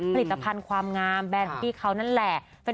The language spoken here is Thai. ผลิตภัณฑ์ความงามแบรนด์ของพี่เขานั่นแหละ